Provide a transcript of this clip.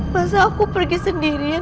masa aku pergi sendirian